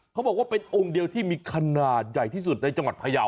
เขาบอกว่าเป็นองค์เดียวที่มีขนาดใหญ่ที่สุดในจังหวัดพยาว